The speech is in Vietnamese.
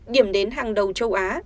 điểm đến hàng đầu châu á